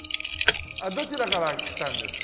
どちらから来たんですか？